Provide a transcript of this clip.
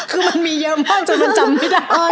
คือมันมีเยอะมากจนมันจำไม่ได้